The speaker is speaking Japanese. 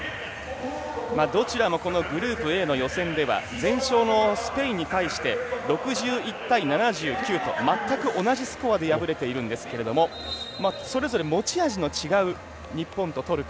どちらもグループＡの予選では全勝のスペインに対して６１対７９と全く同じスコアで敗れているんですけれどもそれぞれ持ち味の違う日本とトルコ。